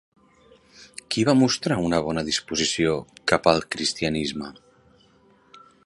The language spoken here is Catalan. Qui va mostrar una bona disposició cap al cristianisme?